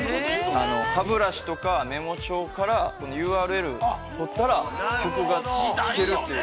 歯ブラシとか、メモ帳から、ＵＲＬをとったら、聞けるという。